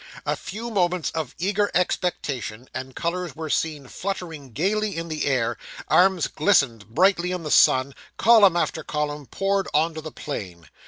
A few moments of eager expectation, and colours were seen fluttering gaily in the air, arms glistened brightly in the sun, column after column poured on to the plain.